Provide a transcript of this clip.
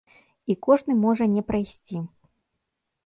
І кожны можа не прайсці.